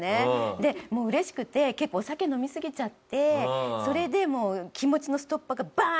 でもう嬉しくて結構お酒飲みすぎちゃってそれでもう気持ちのストッパーがバーン！